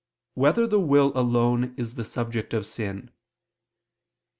2] Whether the Will Alone Is the Subject of Sin?